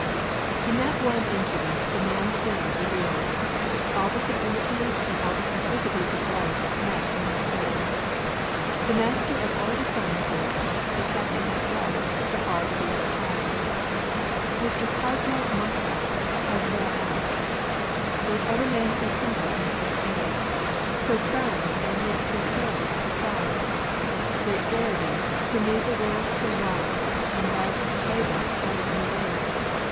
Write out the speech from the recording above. In that one incident the man stands revealed. All the sublimities and all the simplicities of life met in his soul. The master of all the sciences, he kept in his breast the heart of a little child. Mr. Cosmo Monkhouse has well asked Was ever man so simple and so sage, So crowned and yet so careless of a prize? Great Faraday, who made the world so wise, And loved the labor better than the wage!